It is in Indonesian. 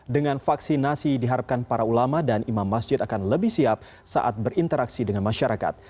dengan vaksinasi diharapkan para ulama dan imam masjid akan lebih siap saat berinteraksi dengan masyarakat